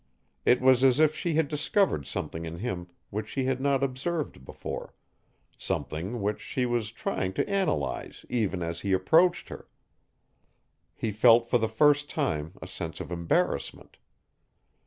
It was as if she had discovered something in him which she had not observed before, something which she was trying to analyze even as he approached her. He felt for the first time a sense of embarrassment.